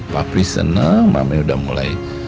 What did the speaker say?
papri seneng mamanya udah mulai